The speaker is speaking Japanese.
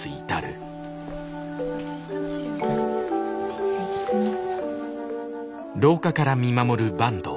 失礼いたします。